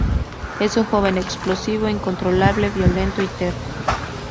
Es un joven explosivo, incontrolable, violento y terco.